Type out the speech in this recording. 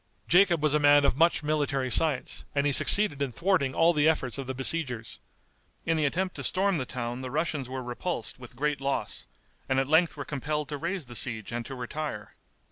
Jacob was a man of much military science, and he succeeded in thwarting all the efforts of the besiegers. In the attempt to storm the town the Russians were repulsed with great loss, and at length were compelled to raise the siege and to retire.